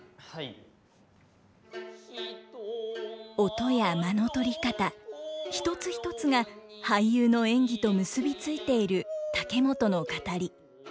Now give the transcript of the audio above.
音や間の取り方一つ一つが俳優の演技と結び付いている竹本の語り。